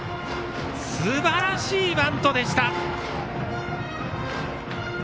すばらしいバントでした。